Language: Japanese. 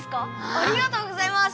ありがとうございます！